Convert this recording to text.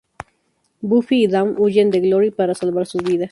Buffy y Dawn huyen de Glory para salvar sus vidas.